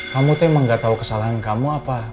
kamu tuh emang gak tau kesalahan kamu apa